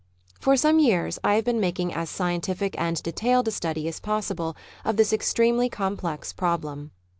For some years I have been making as scientific and detailed a study as possible of this extremely complex problem.